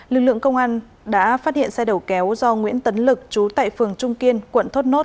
lực lượng công an đã phát hiện xe đầu kéo do nguyễn tấn lực trú tại phường trung kiên quận thốt nốt